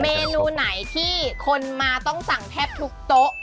เมนูไหนที่คนมาต้องสั่งแทบทุกโต๊ะ